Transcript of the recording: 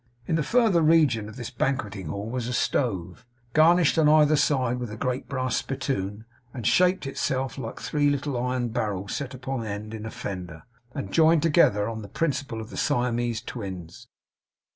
In the further region of this banqueting hall was a stove, garnished on either side with a great brass spittoon, and shaped in itself like three little iron barrels set up on end in a fender, and joined together on the principle of the Siamese Twins.